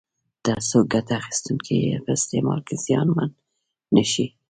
ترڅو ګټه اخیستونکي په استعمال کې زیانمن نه شي.